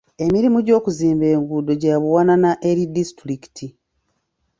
Emirimu gy'okuzimba enguudo gya buwanana eri disitulikiti.